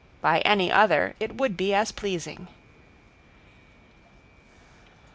By any other it would be as pleasing.